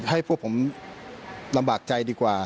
ให้พวกผมลำบากใจดีกว่า